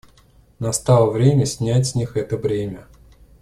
Настало время снять с них это бремя.